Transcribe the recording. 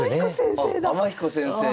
あっ天彦先生だ！